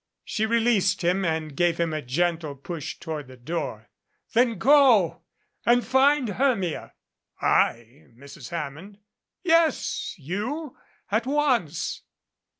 She released him and gave him a gentle push toward the door. "Then go and find Hermia !" "I, Mrs. Hammond?" "Yes, you. At once."